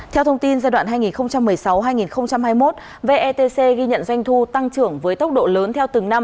theo thông tin giai đoạn hai nghìn một mươi sáu hai nghìn hai mươi một vetc ghi nhận doanh thu tăng trưởng với tốc độ lớn theo từng năm